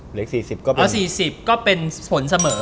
เหลือ๔๐ก็เป็นอ๋อ๔๐ก็เป็นผลเสมอ